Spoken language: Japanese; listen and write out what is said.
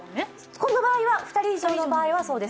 この場合は、２人以上の場合はそうです。